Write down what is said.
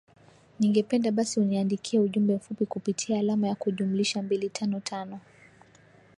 ningependa basi uniandikie ujumbe mfupi kupitia alama ya kujumlisha mbili tano tano